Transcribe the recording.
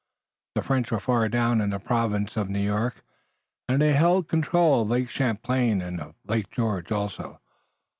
The French were far down in the province of New York, and they held control of Lake Champlain and of Lake George also.